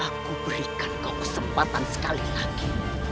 aku berikan kau kesempatan sekali lagi